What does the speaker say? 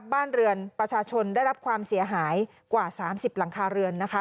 บ้านเรือนประชาชนได้รับความเสียหายกว่า๓๐หลังคาเรือนนะคะ